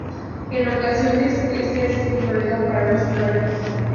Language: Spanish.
En ocasiones este ha sido un problema para los usuarios.